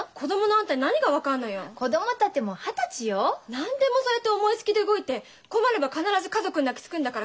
何でもそうやって思いつきで動いて困れば必ず家族に泣きつくんだから。